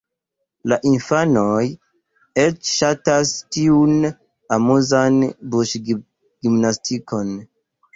La infanoj eĉ ŝatas tiun amuzan buŝgimnastikon.